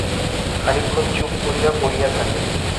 খানিকক্ষণ চুপ করিয়া পড়িয়া থাকে।